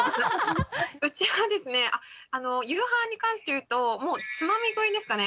うちはですね夕飯に関して言うともうつまみ食いですかね。